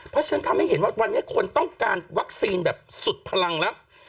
เพราะฉะนั้นทำให้เห็นว่าวันนี้คนต้องการวัคซีนแบบสุดพลังแล้ว